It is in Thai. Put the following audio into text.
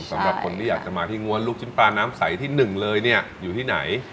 สำหรับคนที่อยากจะมาที่ง้วนลูกชิ้นปลาน้ำใสที่หนึ่งเลยเนี่ยอยู่ที่ไหน